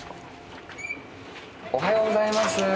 おはようございます！